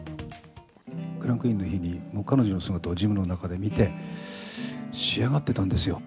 クランクインの日に、彼女の姿をジムの中で見て、仕上がってたんですよ。